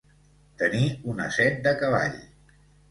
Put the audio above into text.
Tenir una set de cavall.